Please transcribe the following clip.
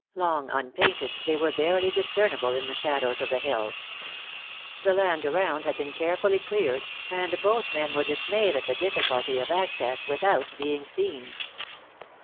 Long unpainted, they were barely discernable in the shadows of the hills. The land around had been carefully cleared, and both men were dismayed at the difficulty of access without being seen.